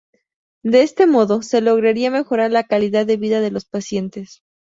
De este modo se lograría mejorar la calidad de vida de los pacientes.